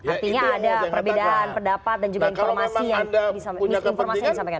artinya ada perbedaan pendapat dan juga informasi yang bisa miskin informasinya